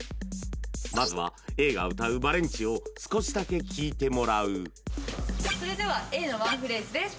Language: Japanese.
まずはＡが歌う「ＶＡＬＥＮＴＩ」を少しだけ聴いてもらうそれではＡのワンフレーズです